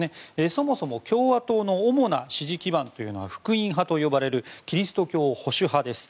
そもそも共和党の主な支持基盤というのは福音派と呼ばれるキリスト教保守派です。